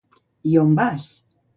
I on vas?